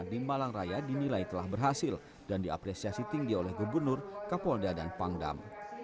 di malang raya dinilai telah berhasil dan diapresiasi tinggi oleh gubernur kapolda dan pangdam